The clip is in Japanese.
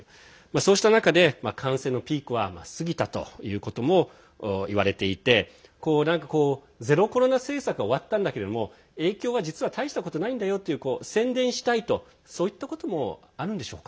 そうした中で、感染のピークは過ぎたということもいわれていて何かこう、ゼロコロナ政策は終わったんだけれども影響は実は大したことないんだよという宣伝したいと、そういったこともあるんでしょうか。